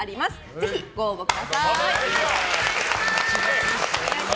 ぜひご応募ください。